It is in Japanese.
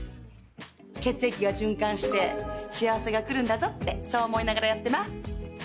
血液が循環して幸せが来るんだぞってそう思いながらやってます。